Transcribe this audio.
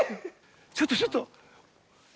ちょっとちょっと。